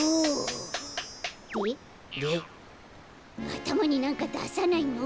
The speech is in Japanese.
あたまになんかださないの？